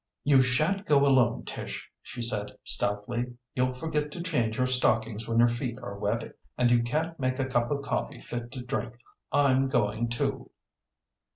"You shan't go alone, Tish," she said stoutly. "You'll forget to change your stockings when your feet are wet and you can't make a cup of coffee fit to drink. I'm going too."